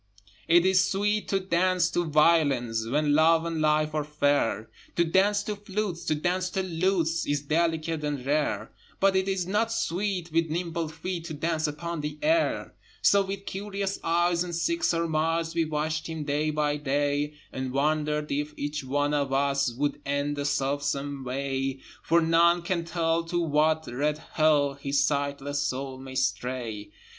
It is sweet to dance to violins When Love and Life are fair: To dance to flutes, to dance to lutes Is delicate and rare: But it is not sweet with nimble feet To dance upon the air! So with curious eyes and sick surmise We watched him day by day, And wondered if each one of us Would end the self same way, For none can tell to what red Hell His sightless soul may stray.